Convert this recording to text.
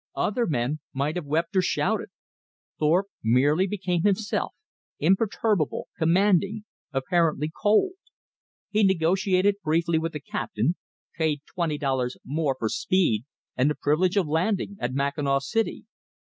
Other men might have wept or shouted. Thorpe merely became himself, imperturbable, commanding, apparently cold. He negotiated briefly with the captain, paid twenty dollars more for speed and the privilege of landing at Mackinaw City.